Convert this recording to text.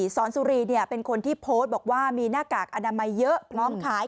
สอนสุรีเป็นคนที่โพสต์บอกว่ามีหน้ากากอนามัยเยอะพร้อมขาย